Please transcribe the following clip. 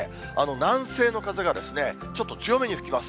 南西の風がちょっと強めに吹きます。